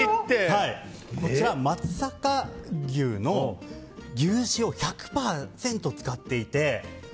こちらは松阪牛の牛脂を１００％使っていて。